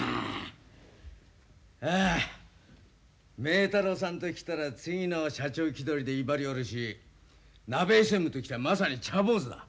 明太郎さんときたら次の社長気取りで威張りおるし鍋井専務ときてはまさに茶坊主だ。